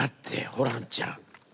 ホランちゃん。